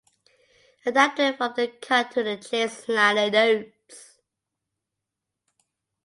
Adapted from the "Cut to the Chase" liner notes.